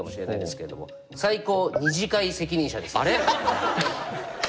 あれ？